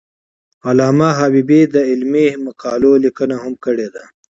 علامه حبیبي د علمي مقالو لیکنه هم کړې ده.